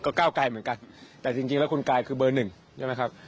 ก็ก้าวไกลเหมือนกันแต่จริงแล้วคุณกายคือเบอร์หนึ่งใช่ไหมครับ